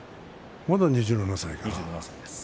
まだ２７歳か。